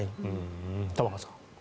玉川さん。